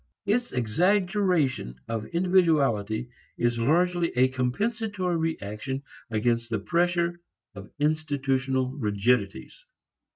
Its exaggeration of individuality is largely a compensatory reaction against the pressure of institutional rigidities.